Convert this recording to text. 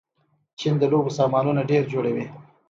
چین د لوبو سامانونه ډېر جوړوي.